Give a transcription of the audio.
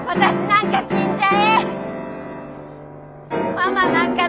みんな死んじゃえ。